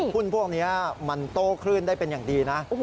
หุ้นพวกนี้มันโต้คลื่นได้เป็นอย่างดีนะ